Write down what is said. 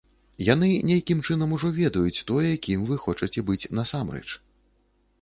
Яны нейкім чынам ужо ведаюць тое, кім вы хочаце быць насамрэч.